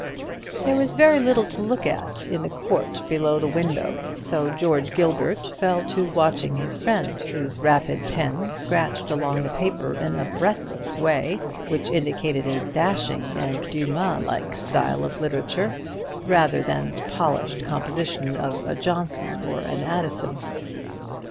There was very little to look at in the court below the window; so George Gilbert fell to watching his friend, whose rapid pen scratched along the paper in a breathless way, which indicated a dashing and Dumas like style of literature, rather than the polished composition of a Johnson or an Addison.